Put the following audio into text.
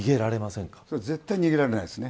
絶対、逃げられないですね。